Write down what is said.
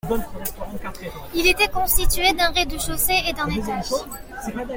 Il était constitué d'un rez-de-chaussée et d'un étage.